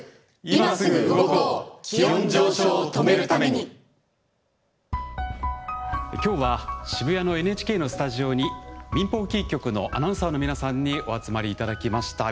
今日は渋谷のＮＨＫのスタジオに民放キー局のアナウンサーの皆さんにお集まりいただきました。